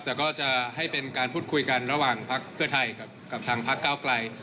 แต่ก็จะให้เป็นการพูดคุยกันระหว่างพักเพื่อไทยกับทางพักเก้าไกล